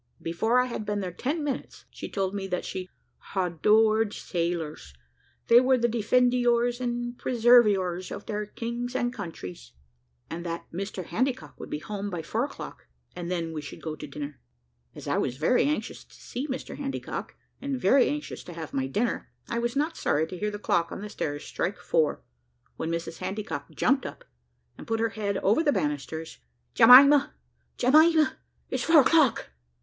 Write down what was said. Before I had been there ten minutes, she told me that she "hadored sailors they were the defendiours and preserviours of their kings and countries," and that Mr Handycock would be home by four o'clock, and then we should go to dinner. As I was very anxious to see Mr Handycock, and very anxious to have my dinner, I was not sorry to hear the clock on the stairs strike four; when Mrs Handycock jumped up, and put her head over the banisters. "Jemima, Jemima, it's four o'clock!"